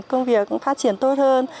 công việc cũng phát triển tốt hơn